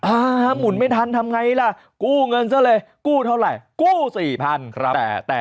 หมุนไม่ทันทำไงล่ะกู้เงินซะเลยกู้เท่าไหร่กู้สี่พันครับ